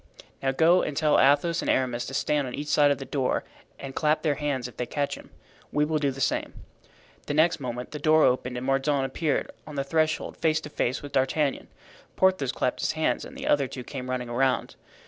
"Now go and tell Athos and Aramis to stand on each side of the door and clap their hands if they catch him. We will do the same." The next moment the door opened and Mordaunt appeared on the threshold, face to face with D'Artagnan. Porthos clapped his hands and the other two came running around.